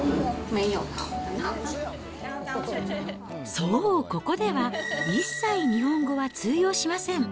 そう、ここでは一切日本語は通用しません。